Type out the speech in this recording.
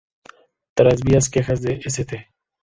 Tras varias quejas de St.